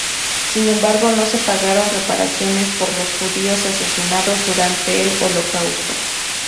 Sin embargo, no se pagaron reparaciones por los judíos asesinados durante el Holocausto.